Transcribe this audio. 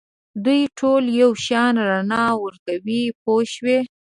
دوی ټول یو شان رڼا ورکوي پوه شوې!.